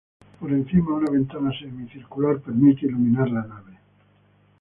Por encima, una ventana semicircular permite iluminar la nave.